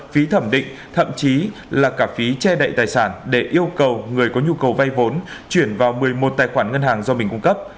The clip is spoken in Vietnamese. phí thẩm định thậm chí là cả phí che đậy tài sản để yêu cầu người có nhu cầu vay vốn chuyển vào một mươi một tài khoản ngân hàng do mình cung cấp